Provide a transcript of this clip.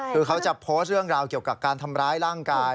คือเขาจะโพสต์เรื่องราวเกี่ยวกับการทำร้ายร่างกาย